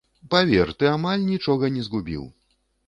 Павер, ты амаль нічога не згубіў!